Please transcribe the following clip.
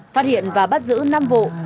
phát hiện và bắt giữ năm vụ